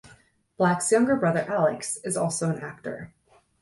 Black's younger brother, Alex, is also an actor.